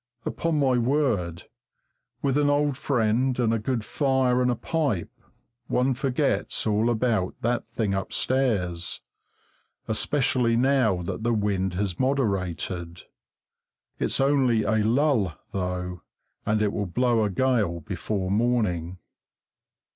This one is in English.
Upon my word, with an old friend and a good fire and a pipe, one forgets all about that thing upstairs, especially now that the wind has moderated. It's only a lull, though, and it will blow a gale before morning.